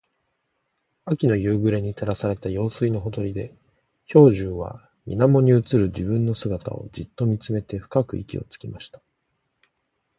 秋の夕暮れに照らされた用水のほとりで、兵十は水面に映る自分の姿をじっと見つめて深く息をつきました。